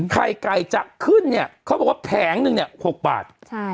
ไข่ไก่จะขึ้นเนี่ยเขาบอกว่าแผงนึงเนี่ย๖บาท